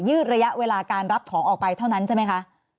ระยะเวลาการรับของออกไปเท่านั้นใช่ไหมคะ